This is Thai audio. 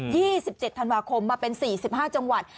ที่๑๗ธันวาคมมาเป็น๔๕จังหวัด